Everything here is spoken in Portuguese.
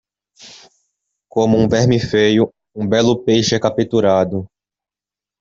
Com um verme feio, um belo peixe é capturado.